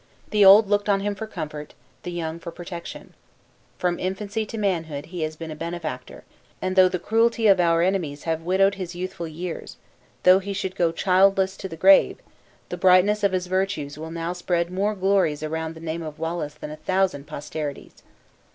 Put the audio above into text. The old looked on him for comfort, the young for protection. From infancy to manhood, he has been a benefactor; and though the cruelty of our enemies have widowed his youthful years though he should go childless to the grave, the brightness of his virtues will now spread more glories around the name of Wallace than a thousand posterities."